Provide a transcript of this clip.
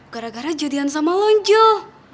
gara gara jadian sama lonjol